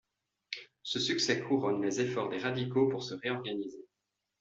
Ce succès couronne les efforts des radicaux pour se réorganiser.